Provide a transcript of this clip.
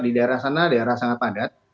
di daerah sana daerah sangat padat